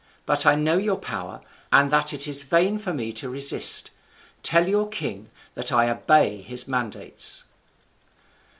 But I know your power, and that it is vain for me to resist. Tell your king that I obey his mandates."